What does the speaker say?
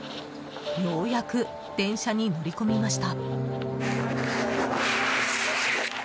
ようやく電車に乗り込みました。